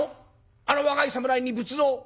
あの若い侍に仏像を。